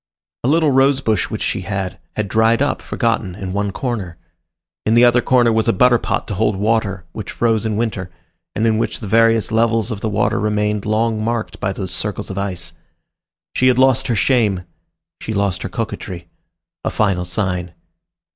A little rosebush which she had, had dried up, forgotten, in one corner. In the other corner was a butter pot to hold water, which froze in winter, and in which the various levels of the water remained long marked by these circles of ice. She had lost her shame; she lost her coquetry. A final sign.